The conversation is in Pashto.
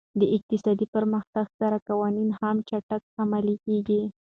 د اقتصادي پرمختګ سره قوانین هم چټک عملي کېږي.